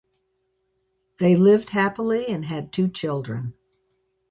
They lived happily and had two children.